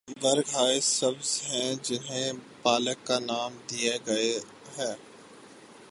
برگ ہائے سبز ہیں جنہیں پالک کا نام دے دیا گیا ہے۔